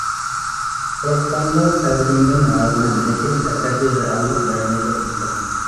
قورقساممۇ، سەزگۈمدىن رازىمەن لېكىن، ئەسەبىي رېئاللىق بەرمەيدۇ ئىمكان.